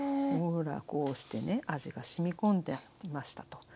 ほらこうしてね味がしみ込んできましたと。